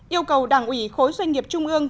yêu cầu đảng ủy khối doanh nghiệp trung ương